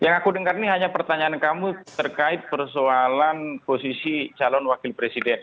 yang aku dengar ini hanya pertanyaan kamu terkait persoalan posisi calon wakil presiden